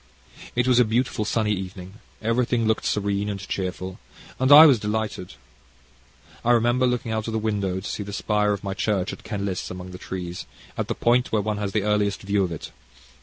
It was a beautiful sunny evening, everything looked serene and cheerful, and I was delighted. I remember looking out of the window to see the spire of my church at Kenlis among the trees, at the point where one has the earliest view of it.